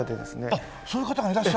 あっそういう方がいらっしゃる？